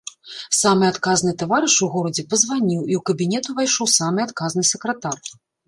Самы адказны таварыш у горадзе пазваніў, і ў кабінет увайшоў самы адказны сакратар.